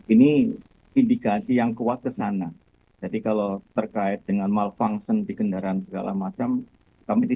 ini indikasi yang kuat kesana jadi kalau terkait dengan malfunction di kendaraan segala macam kami